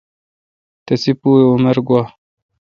تسی پو اؘ عمر گوا۔